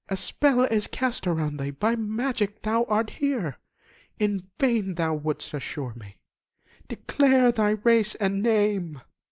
A spell is cast around thee, By magic thou art here; In vain thou wouldst assure me. Declare thy race and name!"